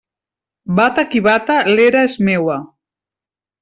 Bata qui bata, l'era és meua.